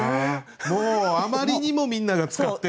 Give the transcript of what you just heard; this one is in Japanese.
もうあまりにもみんなが使ってると。